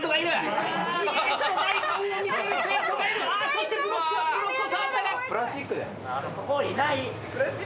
そしてブロックブロックを触ったが。